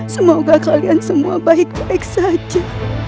semoga kalian semua baik baik saja